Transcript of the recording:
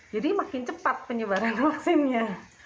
jadi makin cepat penyebaran vaksinnya